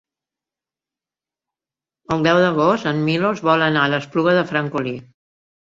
El deu d'agost en Milos vol anar a l'Espluga de Francolí.